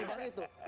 bukan soal dosa